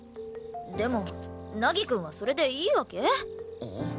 でも凪くんはそれでいいわけ？